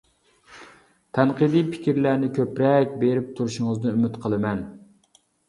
تەنقىدىي پىكىرلەرنى كۆپرەك بېرىپ تۇرۇشىڭىزنى ئۈمىد قىلىمەن.